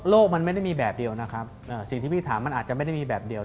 มันไม่ได้มีแบบเดียวนะครับสิ่งที่พี่ถามมันอาจจะไม่ได้มีแบบเดียว